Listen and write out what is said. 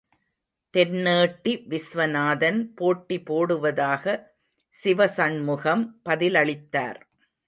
தென்னேட்டி விஸ்வநாதன் போட்டி போடுவதாக சிவசண்முகம் பதிலளித்தார்.